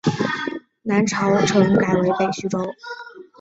南朝陈改为北徐州。